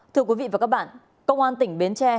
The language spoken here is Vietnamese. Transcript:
thưa quý vị và các bạn công an tỉnh bến tre